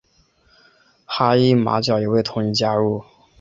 哈伊马角也未同意加入。